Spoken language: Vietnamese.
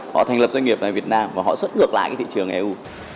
họ thành lập doanh nghiệp tại việt nam và họ xuất ngược lại cái thị trường eu